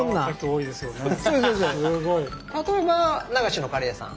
例えば流しのカレー屋さん。